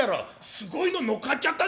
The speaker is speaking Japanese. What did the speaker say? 「すごいののっかっちゃったね。